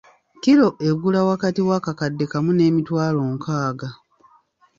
Kkiro egula wakati w’akakadde kamu n’emitwalo nkaaga.